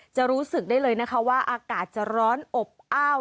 จะรู้สึกได้เลยนะคะว่าอากาศจะร้อนอบอ้าว